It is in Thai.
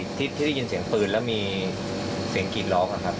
ที่ได้ยินเสียงปืนแล้วมีเสียงกลิ่นร้องอะครับ